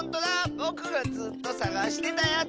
ぼくがずっとさがしてたやつ！